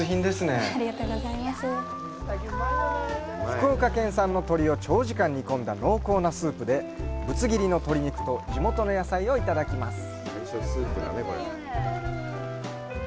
福岡県産の鶏を長時間煮込んだ濃厚なスープで、ぶつ切りの鶏肉と地元の野菜をいただきます。